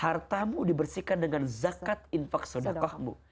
hartamu dibersihkan dengan zakat infak sodakohmu